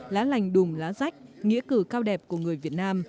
lá lành đùm lá rách nghĩa cử cao đẹp của người việt nam